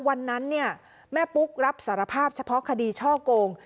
วันนั้นเนี่ยแม่ปุ๊กรับสารภาพเฉพาะคดีช่อโกง